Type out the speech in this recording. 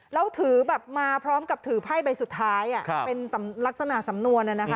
แล้วถือแบบมาพร้อมกับถือไพ่ใบสุดท้ายเป็นลักษณะสำนวน